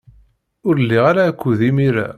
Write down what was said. Ur liɣ ara akud imir-a.